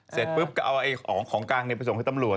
เสร็จปุ๊บก็เอาของกลางเนี่ยไปส่งไปตำรวจ